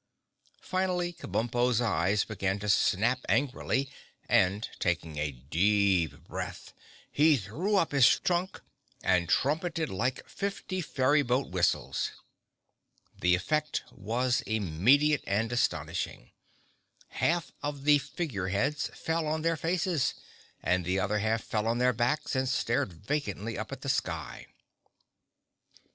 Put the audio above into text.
Finally, Kabumpo's eyes began to snap angrily and, taking a deep breath, he threw up his trunk and trumpeted like fifty ferry boat whistles. The effect was immediate and astonishing. Half of the Figure Heads fell on their faces, and the other half fell on their backs and stared vacantly up at the sky.